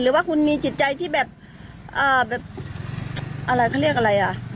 หรือว่าคุณมีจิตใจที่แบบอะไรเขาเรียกอะไรอ่ะ